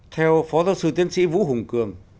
theo phó giáo sư tiến sĩ vũ hùng cường